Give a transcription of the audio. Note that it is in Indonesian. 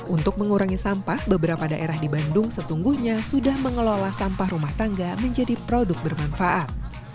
untuk mengurangi sampah beberapa daerah di bandung sesungguhnya sudah mengelola sampah rumah tangga menjadi produk bermanfaat